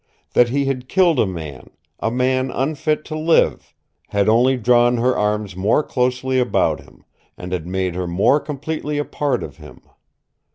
That he had killed a man a man unfit to live had only drawn her arms more closely about him, and had made her more completely a part of him.